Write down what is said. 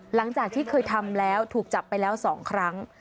หลังจากที่เคยทำแล้วถูกจับไปแล้ว๒ครั้ง